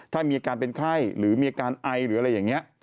ถ้ามีอาการเป็นไข้หรือมีอาการไอหรืออะไรอย่างนี้